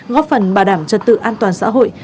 góp phần bảo đảm trật tự an toàn xã hội